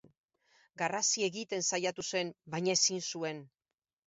Garrasi egiten saiatu zen, baina ezin zuen.